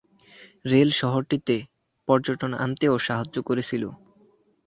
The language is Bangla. রেল শহরটিতে পর্যটন আনতেও সাহায্য করেছিল।